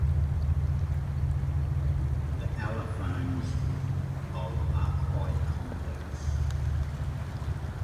The allophones of are quite complex.